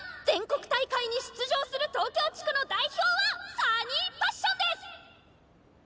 全国大会に出場する東京地区の代表はサニーパッションです！」。